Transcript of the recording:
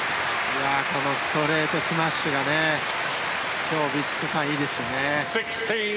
このストレートスマッシュが今日、ヴィチットサーンいいですね。